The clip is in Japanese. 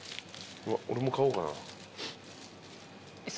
俺も買おうかな。